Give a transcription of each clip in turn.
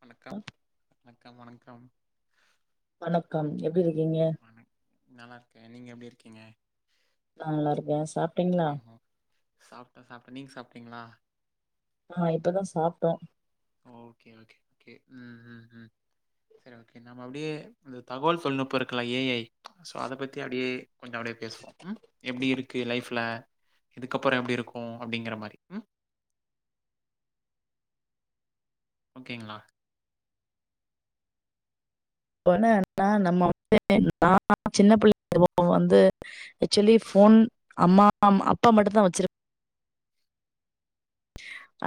வணக்கம் வணக்கம் வணக்கம் வணக்கம் எப் வண்க் நல்லாருக்கே நீங்க எப்டி இருக்கீங்க நல்லாருக்கே‌ சாப் ம்கும் சாப்டோ சாப்டோ‌ நீங்க சாப்ட்டீங்ளா அ இப்பதா சாப்ட்டோ ஒ ஓகே ஓகே ஓகே ம் ம் ம் செரி ஓகே நம்ம அப்டியே இந்த தகோல் தொழில்நுட்போருக்கல ஏஐ சோ அத பத்தி அப்டியே கொஞ்சோ அப்டியே பேசுவோ ம் எப்டி இருக்கு லைஃப் ல இதுக்கப்புறோ எப்டி இருக்கு அப்டிங்கிற மாரி ம் ஓகேங்ளா இப்போ என்னனா நம்மோ வந்து நா சின்ன பிள்ள [unintelligible] வந்து ஆக்சுவலி ஃப் போன் அம்மா அப்பா மட்டுந்தா வெச்சிரு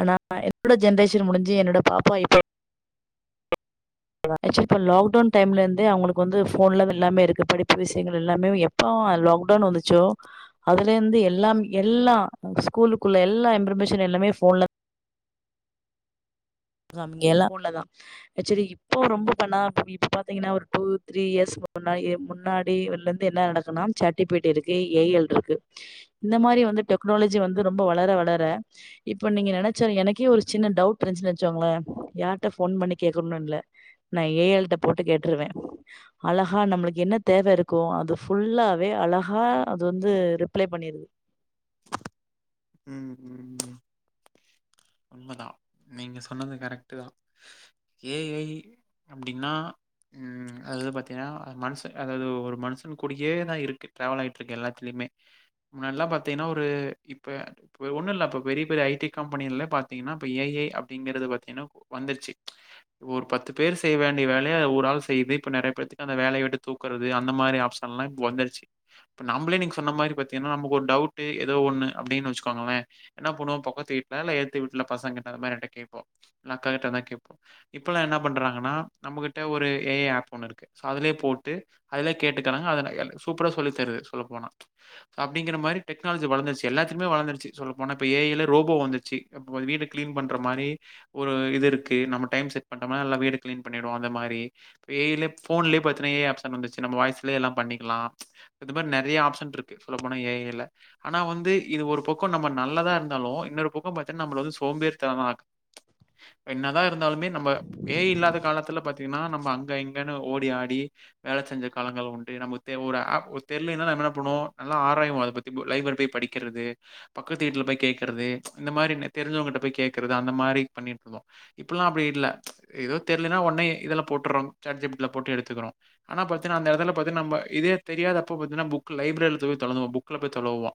ஆனா என்னோட ஜென்ரேஷன் முடிஞ்சி என்னோட பாப்பா இப்போ வ அக்சுவலி இப்போ லக்டவுன் டைம்லந்தே அவுங்களுக்கு வந்து ஃபோன்லா எல்லாமேருக்கு படிப்பு விஷயங்கள் எல்லாமே எப்ப ம் லாக்டவுன் வந்துச்சோ அதுலந்து எல்லாம் எல்லா ஸ்கூலுக்குள்ள எல்லா இம்பர்மேஷன் ன் எல்லாமே ஃபோன்லத் சாம் இங்க எல்லா ஃபோன்லதா அக்சுவலி இப்போ ரொம்ப பண்ணா இப்ப பாத்தீங்கன்னா ஒரு டூ த்ரீ இயர்ஸ் முன்னாடி முன்னாடி இல்லந்து என்ன நடக்கனாம் சாட் ஜி பி டி இருக்கு ஏஐருக்கு இந்த மாரி வந்து டெக்னாலஜி வந்து ரொம்ப வளர வளர இப்ப நீங்க நெனச்சாலு எனக்கே ஒரு சின்ன டவுட்ருந்ஞ்சின சோங்களே யார்ட்ட ஃபோன் பண்ணி கேக்கனு இல்ல நா ஏ எல்ட்ட போட்டு கேட்ருவே அலகா நம்ளுக்கு என்ன தேவ இருக்கோ அது ஃபுல்லாவே அலகா அது வந்து ரிப்ளே பண்ணிருது ம் ம் ம் உண்மதா நீங்க சொன்னது கரெக்ட்டு தா ஏஐ அப்டின்னா ம் அது வந்து பாத்தீங்கன்னா மனுச அதாவது ஒரு மனுசன் கூடியேதா இருக்கு ட்ராவல் ஆயிட்ருக்கு எல்லாத்துலயிம் மே முன்னாட்லா பாத்தீங்கன்னா ஒரு இப்ப இப்ப ஒண்ணுல்ல அப்ப பெரிய பெரிய ஐட்டி கம்பெனில பாத்தீங்கன்னா இப்ப ஏ ஐ அப்டிங்கிறது பாத்தீங்கன்னா வந்துருச்சி ஒரு பத்து பேர் செய்ய வேண்டிய வேலைய ஒரு ஆள் செய்து இப்ப நெறைய பேத்துக்கு அந்த வேலைய விட்டு தூக்குறது அந்த மாரி ஆப்ஷன்லா இப்ப வந்துருச்சி இப்ப நம்ளே நீங் சொன்ன மாரி பாத்தீங்கன்னா நமக்கு ஒரு டவுட்டு ஏதோ ஒண்ணு அப்டின்னு வெச்சிக்கோங்ளே என்னா பண்ணுவோ பக்கத்து வீட்ல இல்ல எத் த வீட்ல பசங்கிட்ட அந்த மாரி யார்ட்ட கேப்போ இல்ல அக்கா தா கேப்போ இப்பல்லா என்ன பண்றாங்கன்னா நம்மகிட்ட ஒரு ஏ ஐ ஆப் ஒன்னு இருக்கு சோ அதுலயே போட்டு அதுல கேட்டுக்கறாங்க அதன சூப்பரா சொல்லித் தருது சொல்ல போனா அப்டிங்கர மாதிரி டெக்னாலஜி வளர்ந்துச்சி எல்லாத்துலயுமே வளர்ந்துருச்சி சொல்ல போனா இப்ப ஏ ஐ ல ரோபோ வந்துச்சி இப்ப வீட கிளீன் பண்ற மாரி ஒரு இது இருக்கு நம்ம டைம் செட் பண்ற மாரி நல்லா வீடு கிளீன் பண்ணிடு அந்த மாரி மாரி ஏ ஐ லே ஃபோன்லே பாத்தினா‌ ஏ ஐ ஆப்ஷன் வந்துச்சி நம்ம வாய்ஸ்லே எல்லா பண்ணிக்கலா இந்த மாரி நெறைய ஆப் ஷன்ருக்கு சொல்ல போன ஏ ஐ ல ஆனா வந்து இது ஒரு பக்கோ நம்ம நல்லத்ருந்தாலு இன்னொரு பக்கோ பாத் தனா நம்மள வந்து சோம்பேறிதனமா ஆக் என்னதா இருந்தாலுமே நம்ம ஏ ஐ இல்லாத காலத்துல பாத்தீங்கன்னா நம்ம அங்க இங்கன்னு ஓடி ஆடி வேல செஞ்ச காலங்கள் உண்டு நம்ம தெ ஓரு ஆப் தெர்லேனா நம்ம என்ன பண்ணுவோ நல்லா ஆராயிவோ அத பத்தி லைப்ரர் பேய் படிக்கறது பக்கத்து வீட்ல பேய் கேட்குறது இந்த மாரி தெரிஞ்சவங்கட்ட பேய் கே்கறது அந்த மாரி பண்ணிட்ருந்தோ இப்பல்லா அப்டி இல்ல ஏதோ தெர்லனா ஒன்னே இதல போட்டர்ரோ சாட் ஜி பி டி ல போட்டு எடுத்துக்கறோ ஆனா பாத்தினா அந்த இதுல பாத்த நம்ம இதே தெரியாத அப்ப பாத்தனா புக்கு லைப்ரர்லோ போய் தொளந்து பாப்போ புக்ல போய் தொளவுவோ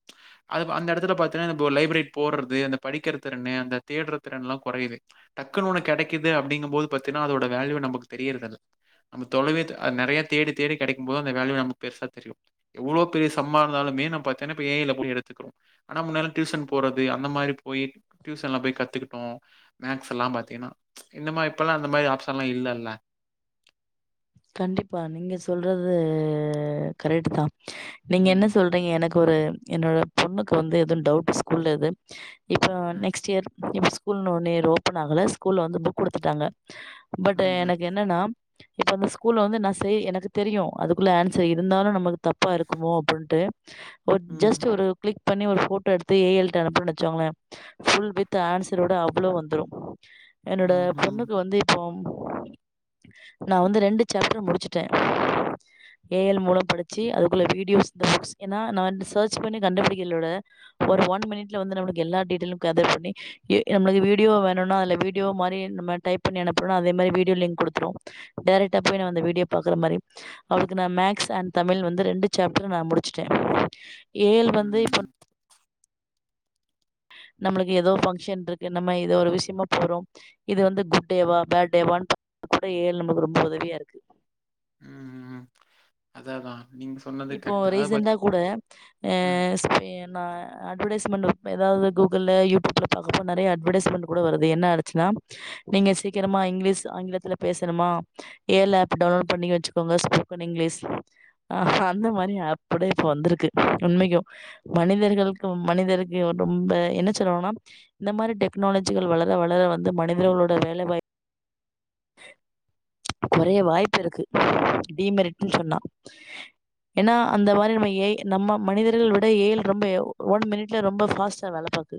அது அந்த எடத்துல பாத்தின்னா நம்போ லைப்ரரி போறற்து அந்த படிக்கிற திறன்னு அந்த தேடுற திறன்லா கொறையிது டக்குனு ஒன்னு கெடைக்குது அப்டிங்கும் போது பாத்தின்னா அதோட வேல்யூவ நமக்கு தெரியற்தல் நம்ம தொலைவேத் அ நெறைய தேடி தேடி கெடைக்கும் போது‌ அந்த வேல்யூவ நமக்கு பெருசா தெரியு எவ்ளோ பெரிய சம்மாருந்தாலும் மெய்னா பாத்தியனா இப்ப ஏ ஐ ல போய் எடுத்துக்குறோ ஆனா முன்னல்லா டியூசன் போறது அந்த மாரி டியூசன்ல போய் கத்துக்கிட்டோ மேக்ஸ்செல்லா பாத்தீங்கன்னா இந்த மாரி இப்பல்லா அந்த மாரி ஆப்ஷன்ல்லா இல்லல்ல கண்டிப்பா நீங்க சொல்றது கரெக்ட்டு தா நீங்க என்ன ம். சொல்றீங்க எனக் ஒரு என்னோட பொண்ணுக் வந்து எதுன் டவுட்டு ஸ்கூல்லேது இப்ப ம். நெக்ஸ்ட் இயர் இப் ஸ்கூல் நோன்னேர் ஓப்பன் ஆகல ஸ்கூல்ல வந்து புக் குடுத்துட்டாங்க பட் ஏ ம்ஹ்ம். எனக்கென்னன்னா இப்போ அந்த ஸ்கூல்ல வந்து நா செய் எனக்கு தெரியு அதுக்குள்ள ஆன்சர் இருந்தாலு நமக்கு தப்பாருக்குமோ அப்டின்ட்டு ஒ ம். ஜஸ்ட் ஒரு க்ளிக் பண்ணி ஒரு ஃபோட்டோ எடுத்து ஏ எல் ட அனுப்புனோ வச்சுக்கோங்ளே ஃபுல் வித் ஆன்சரோட அவ்ளோ வந்துரு என்னோட ம்ஹ்ம். பொண்ணுக்கு வந்து இப்போம் நா வந்து ரெண்டு சாப்டர் முடிச்சுட்டே ஏ எல் மூலோ படிச்சி அதுக்குள்ள வீடியோஸ் [inaudible] ஏனா நா வந்து சர்ச் பண்ணி கண்டுபிடிக்கலோட ஒரு ஒன் மினிட்ல வந்து நம்ளுக்கெல்லா டீட்டெய்லுமே கேதர் பண்ணி எ நம்ளுக்கு வீடியோ வேணுனா அதுல வீடியோ மாரி நம்ம டைப் பண்ணி அனுப்புனா அதே மாரி வீடியோ லிங்க் குடுத்துரூ டைரெக்டா போய் நா அந்த வீடியோ பாக்ற மாரி அவளுக்கு நா மேக்ஸ் அண்ட் தமிழ் வந்து ரெண்டு சாப்ட்ர் நா முடிச்சுட்டே ஏ எல் வந்து ம். இப்போன் ம். நம்மளுக்கு எதோ ஃபங்க்ஷன்ருக்கு நம்ம எதோ ஒரு விஷ்யமா போறோ இது வந்து குட் டேவா பேட் டேவான் அ கூட ஏ எல் நமக்கு ரொம்ப உதவியாருக்கு ம் ம் அதா தா இப்போ ரீசெண்டா கூட ஏ ம். சேய நா அட்வடைஸ்மெண்ட் வ எதாவ்து கூகுள்ல யூடியூப்ல பாக்றப்போ நறைய அட்வடைஸ்மெண்ட் கூட வருது என்ன ஆயிடுச்சுனா நீங்க சீக்கிரமா இங்க்லீஸ் ஆங்கிலத்துல பேசணுமா ஏ எல் ஆப் டவுன்லோட் பண்ணி வச்சுக்கோங்க ஸ் போக்கன் இங்க்லிஸ் ஆ சா அந்த மாரி ஆப் கூட இப்ப வந்திருக்கு உண்மைக்கூ மனிதர்களுக்கூ மனிதருக்கு ரொம்பே என்ன சொல்லோனா இந்த மாரி டெக்னாலஜிகள் வளர வளர வந்து மனிதர்களோட வேலைவாய்ப் கொறைய ம். வாய்ப்பிருக்கு டி மெரிட்னு சொன்னா ஏனா அந்த மாரி நம்ம ஏ நம்ம மனிதர்கள் விட ஏ எல் ரொம்ப ஒன் மினிட்ல ரொம்ப ஃபாஸ்ட்டா வேல பாக்கு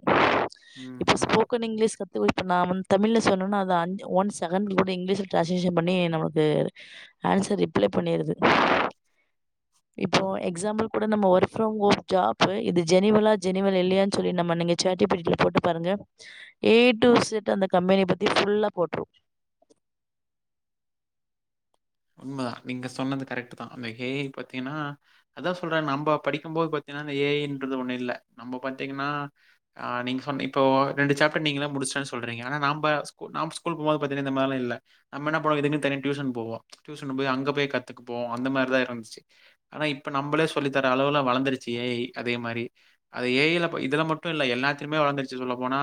ம். இப்போ ம். ஸ்போக்கன் இங்க்லீஸ் கத்துவைக்க நா முன் தமிழ்ல சொன்னோனா அது அண் ஒன் செகன்ட்லூட இங்க்லீஷ்ல ட்ரான்ஸ் சீஷன் பண்ணி நமக்கு ஆன்சர் ரிப்ளை பண்ணிருது இப்போ எக்ஸாம்பிள் கூட நம்ம ஒர்க் ஃப்ரம் ஹோம் ஜாபு இது ஜெனிவலா ஜெனிவல் இல்லையான் சொல்லி நம்ம நீங்க chat G P T லா போட்டு பாருங்க எ டு ஜெட் அந்த கம்பெனி பத்தி ஃபுல்லா போட்ரு அமா நீங்க சொன்னது கரெக்ட்டு தா அந்த ஹே ஐ பாத்தீங்னா அதா சொல்றே நம்ம படிக்கும் போது பாத் தீங்னா அந்த ஏ ஐ ன்றது ஒன்னு இல்ல நம்ம பாத்தீங்னா அ நீங்க சொன்னீங் இப்போ ரெண்டு சாப்டர் நீங்கதா முடிச் சே சொல்றீங்க ஆனா நாம்ப ஸ்கூ நாம் ஸ்கூல் போம்போது பாத்தீனா இந்த மார்லா இல்ல நம்ப என்ன பண்ணோ இதுக்குன் தனியா டியூஷன் போவோ டியூஷன் போய் அங்க போய் கத்துக்கு போவோ அந்த மாரிதா இர்ந்துச்சு ஆனா இப்ப நம்மளே சொல்லி தர்ற அளவுல வளந்துருச் ஏ ஐ அதே மாரி அது ஏ ஐ ல இதுல மட்டு இல்ல எல்லாத்திலுமே வளந்துருச்சு சொல்ல போனா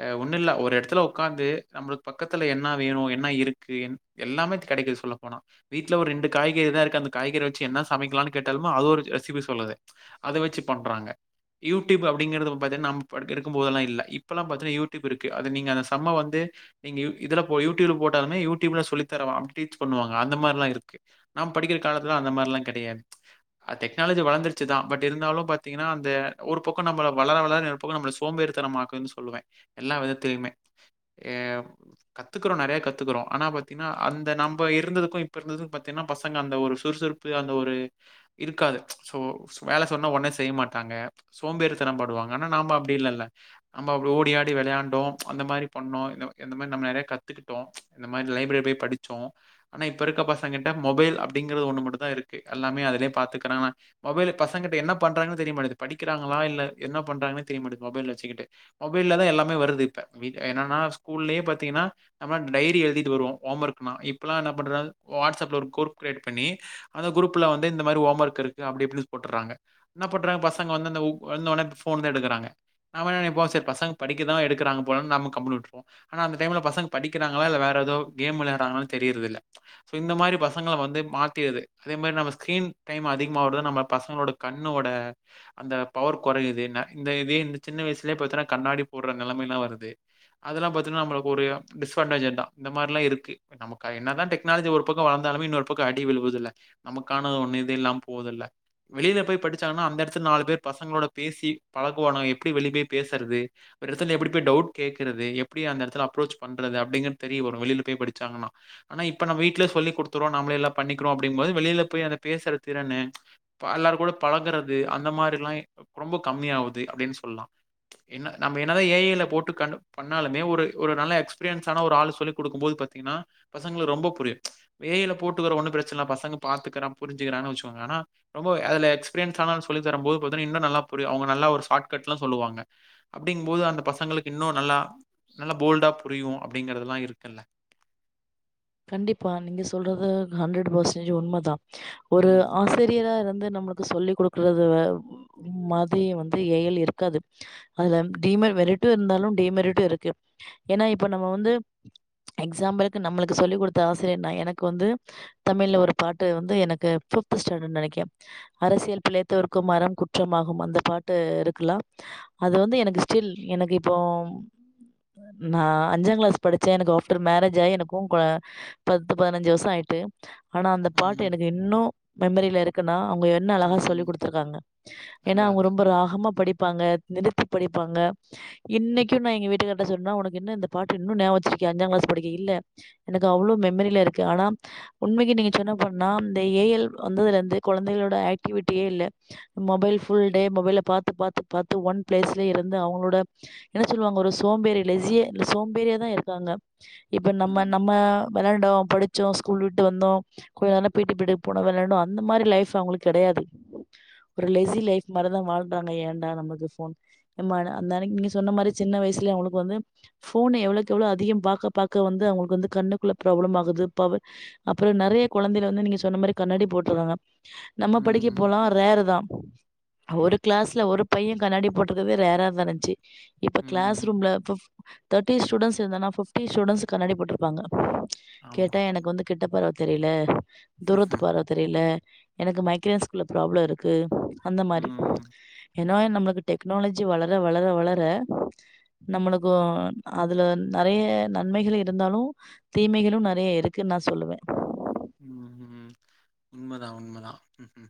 ஆ ஒன்னுல்ல ஒரெடத்துல ஒக்காந்து நம்மளுக் பக்கத்துல என்ன வேணு என்ன இருக்கு எல்லாமே கெடைக்குது சொல்ல போனா வீட்ல ஒரு ரெண்டு காய்கறி தா இருக்கு அந்த காய்கறி வச்சு என்ன சமைக்கலான் கேட்டாலுமே அது ஒரு ரெசிபி சொல்லுது அத வெச்சு பண்றாங்க யூடியூப் அப்டிங்கிறது பாத்தீன்னா நம் படிக் இருக்கும்போதெல்லா இல்ல இப்பெல்லா பாத்தன்னா யூடியூப் இருக்கு அத நீங்க அத சம்ம வந்து நீங்க யூ இதுல போ யூடியூப்ல போட்டாலுமே யூடியூப்ல சொல்லித்தருவா அப்டித் பண்ணுவாங்க அந்த மாரில்லா இருக்கு நாம் படிக்கிற காலத்தில அந்த மாரில்லா கெடையாது டெக்னாலஜி வளந்துருச்சிதா பட் இருந்தாலு பாத்தீங்கனா அந்த ஒரு பக்கோ நம்மள வளர வளர இன்னோரு பக்கோ நம்மள சோம்பேறிதனமாக்குன் சொல்லுவே எல்லா வெதத்லயுமே ஏ கத்துக்குறோ நறைய கத்துக்குறோ ஆனா பாத்தீனா அந்த நம் ப இருந்ததுக்கூ இப்பருந்ததுக்கூ பாத்தீங்னா பசங்க அந்த ஒரு சுறுசுறுப்பு அந்த ஒரு இருக்காது சோ சும்மா எதா சொன்ன ஒட்னே செய்ய மாட்டாங்க சோம்பேறி தன படுவாங்க ஆனா நாம அப்டி இல்லல்ல நம்மோ ஓடியாடி வெளையாண்டோ அந்த மாரி பண்ணோ இந்த இந்த மாரி நம்நறைய கத்துக்கிட்டோ இந்த மாரி லைப்ரேர் போய் படிச்சோ ஆனா இப்பருக்க பசங்கட்ட மொபைல் அப்டிங்கிற ஒன்னு மட்டுந்தா இருக்கு எல்லாமே அதுலே பாத்துக்றாங்க மொபைல் பசங்கிட்ட என்ன பண்றாங்கு தெரியமாட்டிது படிக்கிறாங்களா இல்ல என்ன பண்றாங்னே தெரிய மாட்டிக்குது மொபைல் வச்சுக்கட்டு மொபைல்ல தா எல் லாமே வருது இப்ப வீட் என்னனா ஸ்கூல்லயே பாத்தீங்னா நம்ம டைரி எழுதிட்டு வருவோ ஓமர்க்னா இப் ப்பலா என்ன பண்றாங் வாட்ஸ்அப்ல ஒரு குரூப் க்ரேட் பண்ணி அந்த குரூப்ல வந்து இந்த மாரி ஓமர்க் இருக்கு அப்படி இப்டின் சொ ட்டர்றாங்க என்னாப் பண்றாங் பசங்க வந்து அந்த உப் வந்தவொன ப்ஃபோன்தா எடுக்கறாங்க அவ நீ போ சேர் பசங்க படிக்க கிதா எடுக்கறாங்க போலன் நாம்ம கம்முனு விட்ருவோ. ஆனா அந்த டைம்ல பசங்க படிக்கிறாங்களா இல்ல வேற எதோ கேம் விளையாறாங்களானு தெரிறதில்ல சோ இந்த மாரி பசங்கள வந்து மாத்தியது அதே மாரி நம்ம ஸ்கிரீன் டைம் அதிகமாவறத நம்ம பசங்களோட கண்ணோட அந்த பவர் கொறையுது இன்ன இந்த இதே இந்த சின்ன வய்ஸ்ல பாத்தின கண்ணாடிப் போட்ற நெலமைலா வருது அதெலா பாத்தீன்னா நம்மளுக்கு ஒரு டிஸ்வான்டேஜ் அத்தா இந்த மார்லா இருக்கு நமக்கு என்னதா டெக்னாலஜி ஒரு பக்க வளந்தாலுமே இன்னொரு பக்க அடி விழுவுது இல்ல. நமக்கானது ஒன்னு இது இல்லாம போதுயில்ல வெளில போய் படிச்சாங்கன்னா அந்த எடத்துல நாலு பேர் பசங்ளோட பேசி பழகுவானுங்க எப்டி வெளிய போய் பேசறது ஒரு எடத்துல எப்டி போய் டவுட் கேக்குறது எப்டி அந்த எடத்துல அப்ரோச் பண்றது அப்டிங்றது தெரிய வரு. வெளில போயி படி ச்சாங்கன்னா. ஆனா இப்ப நம்ம வீட்ல சொல்லி குடுத்தரோ நம்ளே எல்லா பண்ணிக்கிறோ அப்டிங் போது வெளில போய் அத பேசுற திறனு ப எல்லாரு கூட பழகுறது அந்த மாரிலா ரொம்ப கம்மியாவுது அப்டின் சொல்லா என்ன நம்ம என்னதா ஏ ஐ ல போட்டு கண்டு பண்ணாலுமே ஒரு ஒரு நல்ல எக்ஸ்பிரியன்சான ஒரு ஆள் சொல்லி குடுக்கும் போது பாத் திங்னா. பசங்கள ரொம்ப புரியு. ஏ ஐ ல போட்டுகுற ஒன்னு பிரச்சனல பசங்க பாத்துக்கிறா புரிஞ்சிகுறானு வச்சுகோங்க ஆ னா ரொம்ப அதல எக்ஸ்பிரியன்சானால் சொல்லித்தரும் போது இன்னு நல்லா புரியு அவுங்க நல்ல ஒரு ஷார்ட் கட்லா சொல்லுவாங்க அப்டிங்கும் போது அந்த பசங்ளுக்கு இன்னு நல்லா நல்லா போல்டா புரியு அப்டிங்கிறதுலா இருக்குல்ல கண்டிப்பா நீங்க சொல்றது ஹண்ட்ரடு பர்சேன்ஜ் உண்மதா ஒரு ம். ஆசிரியராருந் வந்து நம்மளுக்கு சொல்லி் குடுக்குறது வ மதிய வந்து ஏயல் இருக்காது அதுல டீமே வெறேட்டு இருந்தாலு டீமெரிட்டு இருக்கு ஏனா இப்ப நம்ம வந்து எக்ஸாம்பிலுக்கு நம்மளுக்கு சொல்லிக் குடுத்த ஆசிரியர் நா எனக்கு வந்து தமிழ்ல ஒரு பாட்டு வந்து எனக்கு ஃபிப்த் ஸ்டாண்டர்ட் நெனைக்க அரசியல் பிழைத்தவர்க்கும் மரம் குற்றம்மாகும் அந்த பாட்டு இருக்கலா அது வந்து எனக்கு ஸ்டில் எனக்கு இப்போம் நா அஞ்சாங்கிளாஸ் படிச்சே எனக்கு ஆஃப்டர் மேரேஜ் ஆயி எனக் கு கொ பத்து பதினஞ்சு வஷோ ஆயிட்டு ஆனா அந்த பாட்டு ம். எனக்கு இன்னு மெமரில இருக்குனா அவுங்க என்ன அழகா சொல்லி் ம். குடுத்துருக்காங்க ஏனா அதான், அவுங்க அதான். ரொம்ப ராகமா படிப் ப்பாங்க நிறுத்திப் படிப்பாங்க இன்னைக்கு நா எங்க வீட்டுக்கார்ட்ட சொன்னா உனக்கு இன்னு இந்த பாட்டு இன்னு நியாப வச்சிருக் கி அஞ்சாங் கிளாஸ் படிக்க இல்ல எனக்கு அவ்ளோ மெமரிலருக்கு ஆனா உண்மைக்கு நீங்க சொன்ன பண்ணா இந்த ஏயல் வந்ததுலந்து கொன் கொழந்தைகளோட ஆக்டிவிட்டியேல்ல மொபைல் ஃபுல் டே மொபைல பாத்து பாத்து பாத்து ஒன் பிளேஸ்ல இருந் த அவுங்ளோட என்ன சொல்வாங்க ஒரு சோம்பேறி லெசிய சோம்பேரியா தா இருக்காங்க இப்ப நம்ம ம். அ வெளாண்டோ படிச்சோ ஸ்கூல் விட்டு வந்தோ கொஞ்சநேர பீட்டி பிரீடு போனோ வெளாண்டோ அந்த மாரி லைஃப் அவுங்ளுக்கு கெடையாது ஒரு லெசி லைஃப் மாரிதா வாழ்ன்டாங்க ஏண்டா நமக்கு ஃபோன் எம்மான அந்தான நீங்க சொன்ன மாரி சின்ன வய்ஸ் ல அவுங்ளுக்கு வந்து ஃபோனே எவ்ளோக்கு எவ்ளோ அதிகம் பாக்க பாக்க வந்து அவுங்ளுக்கு வந்து கண்ணுக்குள்ள ப்ராப்ளம் ஆகுது பவ அப்றோ நெறைய கொழந்தைள வந்து நீங்க சொன்ன மாரி கண்ணாடி போட்டர்றாங்க நம்ம ம். படிக்கப்போலா ரேருதா ஒரு கிளாஸ்ல ஒரு பைய கண்ணாடி போட்ருக்கதே ரேரா தாரிஞ்ச்சி இப்ப கிளாஸ் ம். ரூம்ல பிஃப் தேட்டி ஸ்டூடண்ட்ஸ் இருந்தானா பிஃப்டி ஸ்டூடண்ட்ஸ் கண்ணாடி போட்ரு ப்பாங்க ஆமா. கேட்டா எனக்கு வந்து கிட்டப் பார்வ தெரில தூரத்து ம். பார்வ தெரில எனக்கு மைக்ரேன்ஸ்குள்ள ப்ராப்ள இருக்கு அந்த மாரி ம். எ ன்னோய் நம்ளுக்கு டெக்னாலஜி வளர வளர வளர நம்மளுக்கு அதுல நெறைய நன்மைகள் இருந்தாலு தீமைகளு நெறைய இருக்குன் நா சொல்லுவே உம் உம் உண்மதா உண்மதா உம் உம்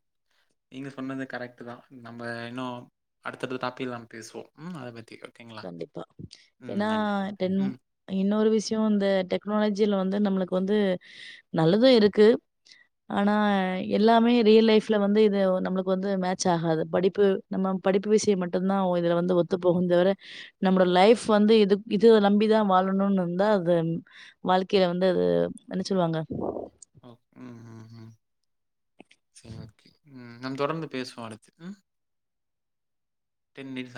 நீங்க சொன்னது கரெக்ட்டுதா நம்ம இன்னு அடுத்தடுத்த டாப்பிகில நம்ம பேசுவோ ம் அத பத் கண்டிப்பா ஏனா டென் ம். இன்னொரு விஷ்ய இந்த டெக்னாலஜில வந் நம்ளுக்கு வந்து நல்லது இருக்கு ஆனா எல்லாமே ரியல் லைஃப்ல வந்து இது நம்ளுக்கு வந்து மேட்சாகாது படிப்பு நம்ம படிப்பு விஷய மட்டுந்தா இதுல வந்து ஒத்து போகுந்தவர நம்மோட லைஃப் வந்து இது இது நம்பிதா வாழணுன் இருந்தா அது வாழ்க்கையில வந்து து என்ன சொல்லுவாங்க ம் ம் சரி ஓகே ம் நம் தொடர்ந்து பேசுவோ அடுத்து ம் டென் மினிஸ்தா